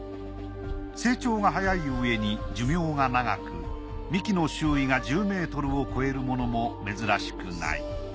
成長が早いうえに寿命が長く幹の周囲が１０ｍを超えるものも珍しくない。